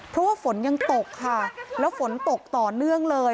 เพราะว่าฝนยังตกค่ะแล้วฝนตกต่อเนื่องเลย